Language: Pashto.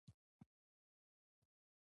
هغوی د محبوب څپو لاندې د مینې ژورې خبرې وکړې.